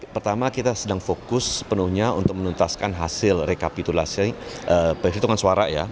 pertama kita sedang fokus sepenuhnya untuk menuntaskan hasil rekapitulasi perhitungan suara ya